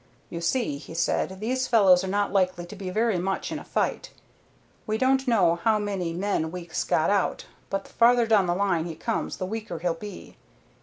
"You see," he said, "these fellows are not likely to be very much in a fight. We don't know how many men Weeks has got, but the farther down the line he comes the weaker he'll be.